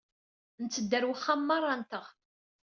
Nteddu ɣer uxxam merra-nteɣ.